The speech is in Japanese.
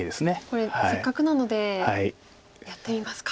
これせっかくなのでやってみますか。